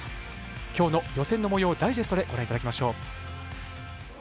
今日の予選のもようをダイジェストでご覧いただきましょう。